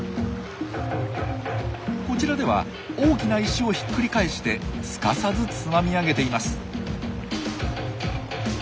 こちらでは大きな石をひっくり返してすかさずつまみ上げています。